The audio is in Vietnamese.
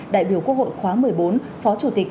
đại biểu quốc hội khóa một mươi bốn phó chủ tịch